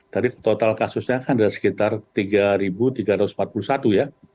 tadi total kasusnya kan ada sekitar tiga tiga ratus empat puluh satu ya